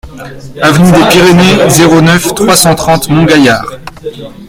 Avenue des Pyrénées, zéro neuf, trois cent trente Montgaillard